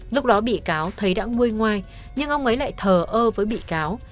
lúc đó bị cáo thấy đã nguôi ngoai nhưng ông ấy lại thờ ơ với bị cáo